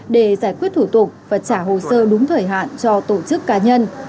để giải quyết thủ tục và trả hồ sơ đúng thời hạn cho tổ chức cá nhân